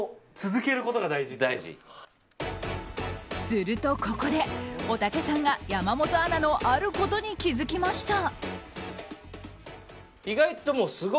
するとここで、おたけさんが山本アナのあることに気づきました。